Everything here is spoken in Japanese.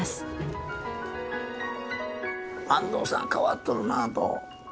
安藤さん変わっとるなあと。